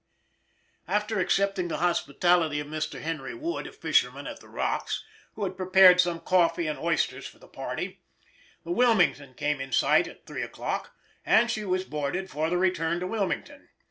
After accepting the hospitality of Mr. Henry Wood, a fisherman at the Rocks, who had prepared some coffee and oysters for the party, the Wilmington came in sight at 3 o'clock, and she was boarded for the return to Wilmington.